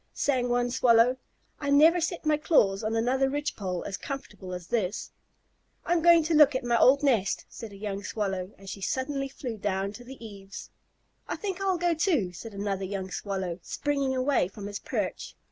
sang one Swallow. "I never set my claws on another ridge pole as comfortable as this." "I'm going to look at my old nest," said a young Swallow, as she suddenly flew down to the eaves. "I think I'll go, too," said another young Swallow, springing away from his perch.